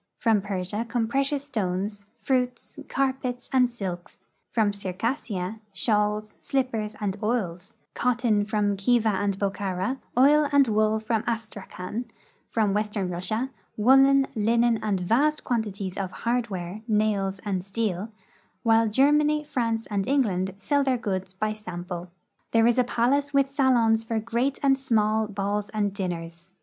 From Persia come precious stones, fruits, carpets, and silks ; from Circassia, shawls, slippers, and oils ; cotton from Khiva and Bokhara ; oil and wool from Astrakhan ; from west ern Russia, woolen, linen, and vast quantities of hardware, nails, and steel, while Germany, France, and England sell their goods by sample. There is a palace with salons for great and small balls and dinners.